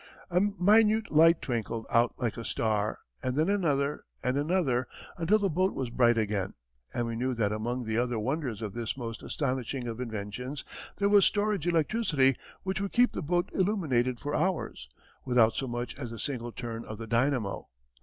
A minute light twinkled out like a star, and then another and another, until the boat was bright again, and we knew that among the other wonders of this most astonishing of inventions there was storage electricity which would keep the boat illuminated for hours, without so much as a single turn of the dynamo.